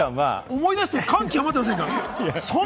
思い出して、感極まっていませんか？